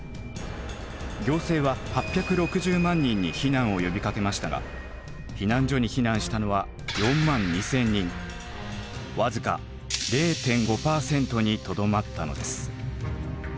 行政は８６０万人に避難を呼びかけましたが避難所に避難したのは僅か０．５％にとどまったのです。